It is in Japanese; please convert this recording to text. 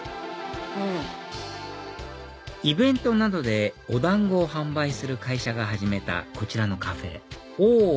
イベントなどでお団子を販売する会社が始めたこちらのカフェｏｈ！